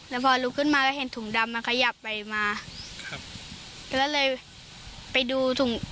แล้วพอลุกขึ้นมาก็เห็นถุงดำมันขยับไปมาครับก็เลยไปดูถุง